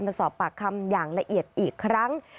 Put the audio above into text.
มาสอบปากคำอย่างละเอียดอีกครั้ง